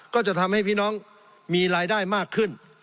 ก็จะทำให้พี่น้องมีรายได้มากขึ้น